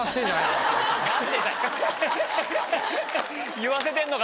「言わせてんのか？」